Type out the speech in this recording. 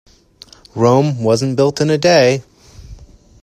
Rome wasn't built in a day.